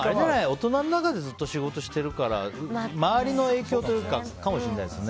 大人の中でずっと仕事してるから周りの影響というかかもしれないですね。